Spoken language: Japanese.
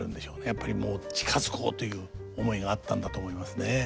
やっぱりもう近づこうという思いがあったんだと思いますね。